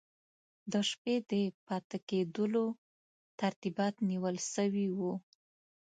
د شپې د پاته کېدلو ترتیبات نیول سوي وو.